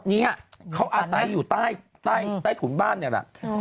นี้เขาอาศัยอยู่ใต้ถุนบ้านนี่แหละ